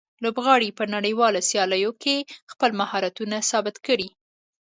لوبغاړي په نړیوالو سیالیو کې خپل مهارتونه ثابت کړي.